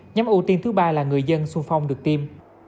nhóm ưu tiên thứ ba là người dân xung phong được tiêm